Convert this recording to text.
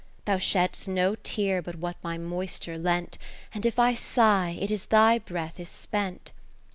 Thou shed'st no tear but what my moisture lent, 1 1 And if I sigh, it is thy breath is spent.